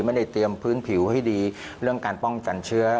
ไม่ได้เตรียมพื้นผิวให้ดีเรื่องการป้องกันเชื้อ